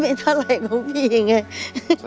ไม่เท่าไรของพี่ไง